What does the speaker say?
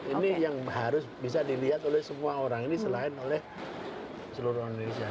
ini yang harus bisa dilihat oleh semua orang ini selain oleh seluruh indonesia